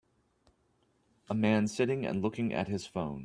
a man sitting and looking at his phone.